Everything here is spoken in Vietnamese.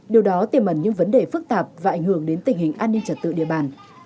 điều đó tiềm ẩn những vấn đề phức tạp và ảnh hưởng đến tình hình an ninh trật tự địa bàn